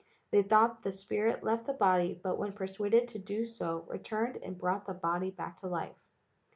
They thought the spirit left the body but when persuaded to do so re¬ turned and brought the body back to life.